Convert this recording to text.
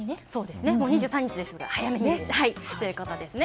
２３日ですから早めにということですね。